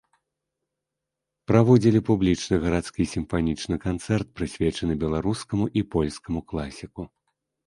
Праводзілі публічны гарадскі сімфанічны канцэрт, прысвечаны беларускаму і польскаму класіку.